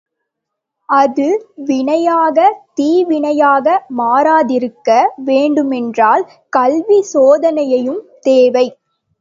அது வினையாக தீவினையாக மாறாதிருக்க வேண்டுமென்றால் கல்விச் சோதனையும் தேவை.